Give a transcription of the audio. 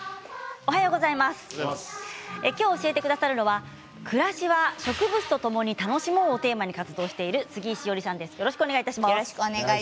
今日、教えてくださるのは暮らしは植物とともに楽しもうをテーマに活動している杉井志織さんです。